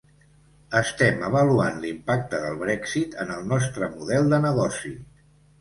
Estem avaluant l'impacte del Brexit en el nostre model de negoci.